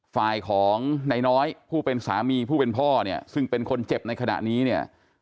ฝ่ายของนายน้อยผู้เป็นสามีผู้เป็นพ่อเนี่ยซึ่งเป็นคนเจ็บในขณะนี้เนี่ย